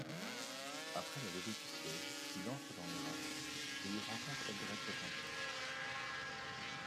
Après la levée du siège, il entre dans Hérat et y rencontre Eldred Pottinger.